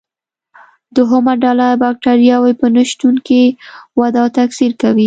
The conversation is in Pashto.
دوهمه ډله بکټریاوې په نشتون کې وده او تکثر کوي.